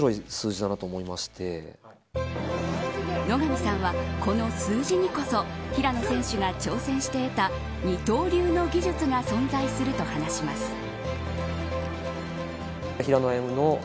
野上さんは、この数字にこそ平野選手が挑戦して得た二刀流の技術が存在すると話します。